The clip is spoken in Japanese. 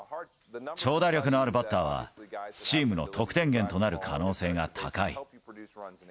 長打力のあるバッターは、チームの得点源となる可能性が高い。